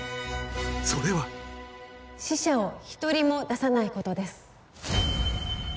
それは死者を１人も出さないことです